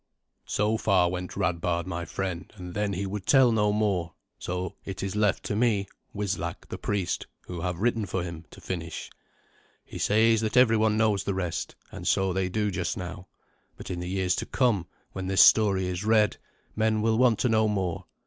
So far went Radbard, my friend, and then he would tell no more. So it is left to me, Wislac the priest, who have written for him, to finish. He says that everyone knows the rest, and so they do just now. But in the years to come, when this story is read, men will want to know more.